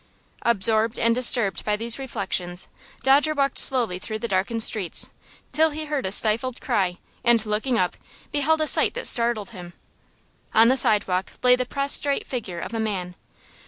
Absorbed and disturbed by these reflections, Dodger walked slowly through the darkened streets till he heard a stifled cry, and looking up, beheld a sight that startled him. On the sidewalk lay the prostrate figure of a man.